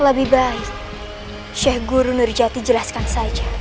lebih baik sheikh guru nurjati jelaskan saja